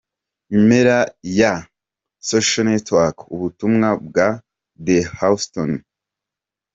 Impera ya {socialnetworck} ubutumwa bwa The Houstonian.